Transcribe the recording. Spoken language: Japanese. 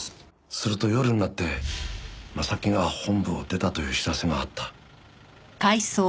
すると夜になって正木が本部を出たという知らせがあった。